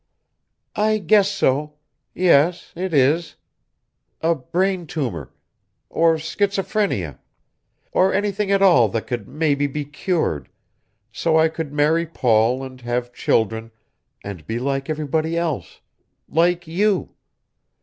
"I guess so. Yes, it is. A brain tumor. Or schizophrenia. Or anything at all that could maybe be cured, so I could marry Paul and have children and be like everybody else. Like you."